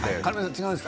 違うんです